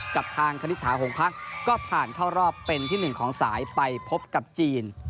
กับทางคณิตถาหงพักก็ผ่านเข้ารอบเป็นที่๑ของสายไปพบกับจีน